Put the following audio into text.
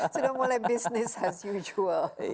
sudah mulai bisnis as utual